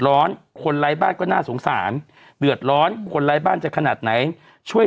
คนไร้บ้านก็น่าสงสารเดือดร้อนคนไร้บ้านจะขนาดไหนช่วย